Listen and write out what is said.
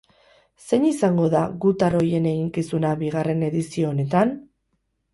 Zein izango da gutar ohien eginkizuna bigarren edizio honetan?